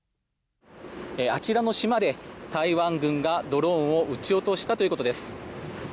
あちらの島で台湾軍がドローンを撃ち落としたということです。